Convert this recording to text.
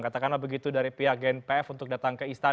katakanlah begitu dari pihak gnpf untuk datang ke istana